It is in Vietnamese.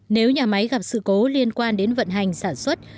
nếu nhà máy gặp sự cố liên quan đến vận hành sản xuất